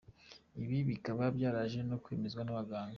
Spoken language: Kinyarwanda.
Ibi bikaba byaraje no kwemezwa n’abaganga.